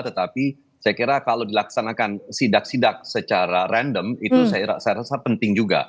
tetapi saya kira kalau dilaksanakan sidak sidak secara random itu saya rasa penting juga